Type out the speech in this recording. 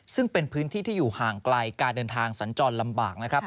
ซึ่งเป็นพื้นที่ที่อยู่ห่างไกลการเดินทางสัญจรลำบากนะครับ